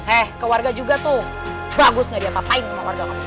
eh ke warga juga tuh bagus gak diapa apain sama warga pak rt